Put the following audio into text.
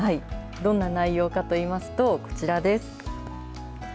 どんな内容かといいますと、こちらです。